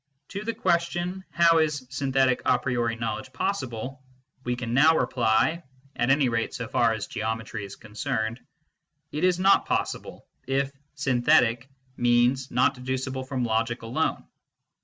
To the question, " How is synthetic a priori knowledge possible ?" we can now reply, at any rate so far as geometry is concerned* "It is not possible, * if " synthetic " means " not de ducible from logic alone."